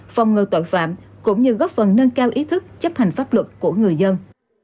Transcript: phòng ngừa tội phạm cũng như góp phần nâng cao ý thức chấp hành pháp luật của người dân